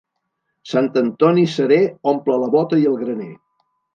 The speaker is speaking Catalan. Sant Antoni serè omple la bota i el graner.